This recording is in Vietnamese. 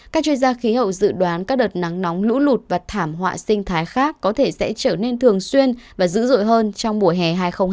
các chuyên gia khí hậu dự đoán các đợt nắng nóng lũ lụt và thảm họa sinh thái khác có thể sẽ trở nên thường xuyên và dữ dội hơn trong mùa hè hai nghìn hai mươi bốn